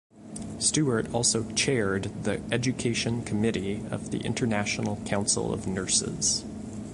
Stewart also Chaired the Education Committee of the International Council of Nurses.